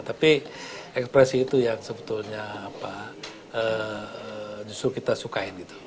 tapi ekspresi itu yang sebetulnya justru kita sukain gitu